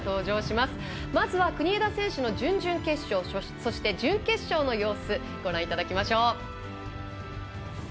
まずは国枝選手の準々決勝そして、準決勝の様子ご覧いただきましょう。